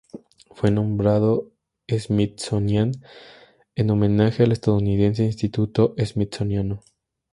Fue nombrado Smithsonian en homenaje al estadounidense Instituto Smithsoniano.